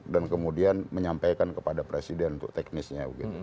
dan kemudian menyampaikan kepada presiden untuk teknisnya